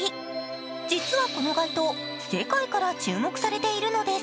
実はこの街灯、世界から注目されているのです。